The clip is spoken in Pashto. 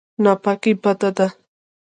ناپاکي بده ده.